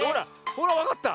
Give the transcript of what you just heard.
ほらわかった。